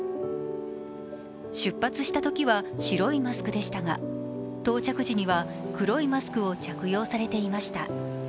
出発したときは白いマスクでしたが到着時には黒いマスクを着用されていました。